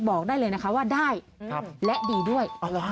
บอกได้เลยนะคะว่าได้และดีด้วย